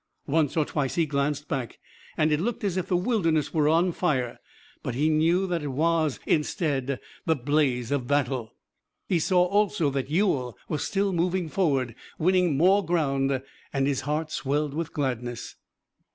Once or twice he glanced back and it looked as if the Wilderness were on fire, but he knew that it was instead the blaze of battle. He saw also that Ewell was still moving forward, winning more ground, and his heart swelled with gladness.